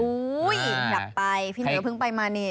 อู้วหยัดไปพี่เหนี่ยวเพิ่งไปมานี่